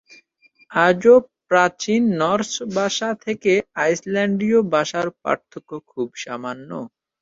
আজও প্রাচীন নর্স ভাষা থেকে আইসল্যান্ডীয় ভাষার পার্থক্য খুব সামান্য।